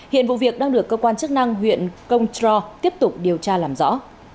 hiện vụ việc đang được cơ quan chức năng huyện công trò tiếp tục điều tra làm rõ